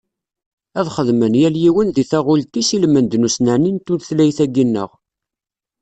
Ad xedmen, yal yiwen di taɣult-is ilmend n usnerni n tutlayt-agi-nneɣ.